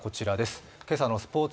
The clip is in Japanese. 今朝のスポーツ